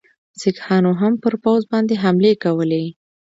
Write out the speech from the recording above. سیکهانو هم پر پوځ باندي حملې کولې.